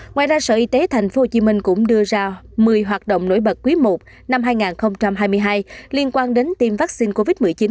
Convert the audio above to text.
ngoài ra sở y tế tp hcm cũng đưa ra một mươi hoạt động nổi bật quý i năm hai nghìn hai mươi hai liên quan đến tiêm vaccine covid một mươi chín